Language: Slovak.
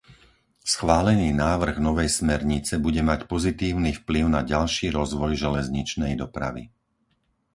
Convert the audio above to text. Schválený návrh novej smernice bude mať pozitívny vplyv na ďalší rozvoj železničnej dopravy.